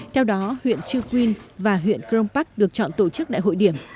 theo đó huyện chư quyên và huyện crompac được chọn tổ chức đại hội điểm